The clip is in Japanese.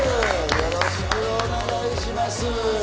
よろしくお願いします。